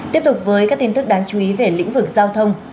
tiếp tục với các tin tức đáng chú ý về lĩnh vực giao thông